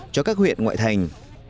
cho các huyện ngoại thành